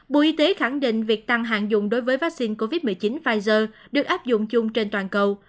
bộ y tế khẳng định việc tăng hàng dùng đối với vaccine covid một mươi chín pfizer được áp dụng chung trên toàn cầu